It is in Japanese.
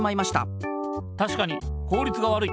たしかに効率が悪い。